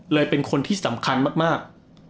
เป็นคนที่สำคัญมาก